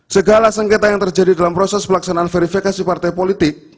segala sengketa yang terjadi dalam proses pelaksanaan verifikasi partai politik